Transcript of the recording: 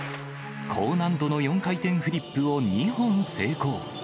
高難度の４回転フリップを２本成功。